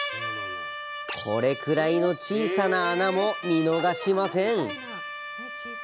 これくらいの小さな穴も見逃しません